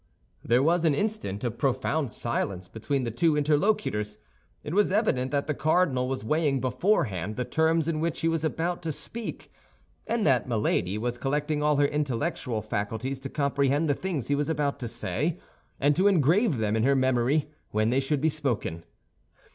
There was an instant of profound silence between the two interlocutors. It was evident that the cardinal was weighing beforehand the terms in which he was about to speak, and that Milady was collecting all her intellectual faculties to comprehend the things he was about to say, and to engrave them in her memory when they should be spoken.